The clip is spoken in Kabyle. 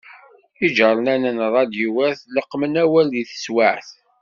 Iğernanen ṛṛadyuwat, leqmen awal di teswaԑt.